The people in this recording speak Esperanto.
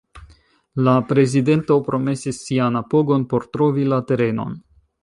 La prezidento promesis sian apogon por trovi la terenon.